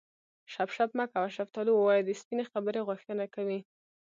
شف شف مه کوه شفتالو ووایه د سپینې خبرې غوښتنه کوي